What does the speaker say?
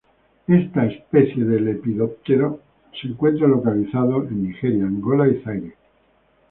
Esta especie de Lepidoptera se encuentra localizada en Nigeria, Angola y Zaire.